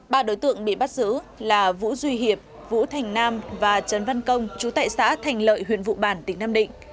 bà đối tượng bị bắt giữ là vũ duy hiệp vũ thành nam và trấn văn công trú tại xã thành lợi huyện vụ bản tỉnh nam định